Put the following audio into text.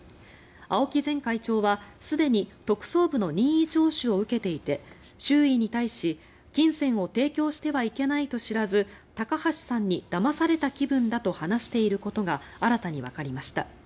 青木前会長はすでに特捜部の任意聴取を受けていて周囲に対し、金銭を提供してはいけないと知らず高橋さんにだまされた気分だと話していることが新たにわかりました。